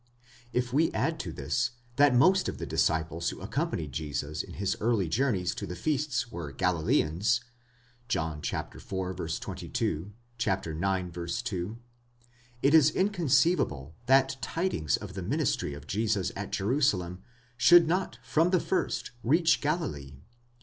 If we add to this, that most of the disciples who accompanied Jesus in his early journeys to the feasts were Galileans (John iv. 22, ix. 2), it is inconceivable that tidings of the ministry of Jesus at Jerusalem should not from the first reach Galilee.